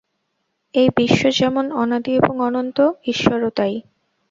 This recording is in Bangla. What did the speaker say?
এই বিশ্ব যেমন অনাদি এবং অনন্ত, ঈশ্বরও তাই।